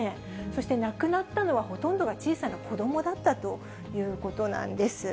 そして亡くなったのはほとんどが小さな子どもだったということなんです。